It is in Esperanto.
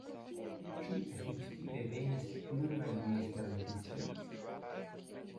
Ĉu efektive venis pluraj neesperantistoj?